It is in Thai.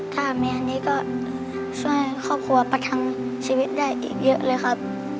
ถ้ามีอันนี้ก็ช่วยครอบครัวประทังชีวิตได้อีกเยอะเลยครับ